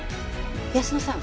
泰乃さん